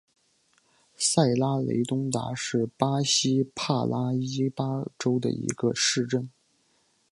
塞拉雷东达是巴西帕拉伊巴州的一个市镇。